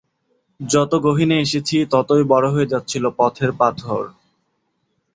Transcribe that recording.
যত গহীনে এসেছি ততই বড় হয়ে যাচ্ছিল পথের পাথর।